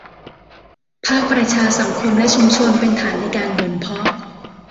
ภาคประชาสังคมและชุมชนเป็นฐานในการบ่มเพาะ